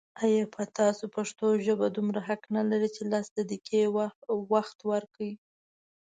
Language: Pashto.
آيا په تاسو پښتو ژبه دومره حق نه لري چې لس دقيقې وخت ورکړئ